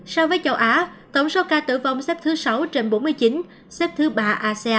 so với châu á tổng số ca tử vong xếp thứ sáu trên bốn mươi chín xếp thứ ba asean